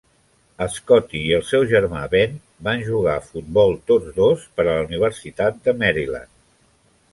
Scotti i el seu germà Ben van jugar a futbol tots dos per a la Universitat de Maryland.